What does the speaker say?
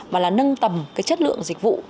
mà là nâng tầm chất lượng dịch vụ